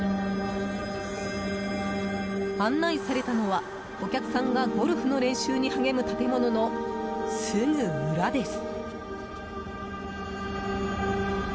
案内されたのはお客さんがゴルフの練習に励む建物のすぐ裏です。